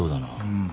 うん。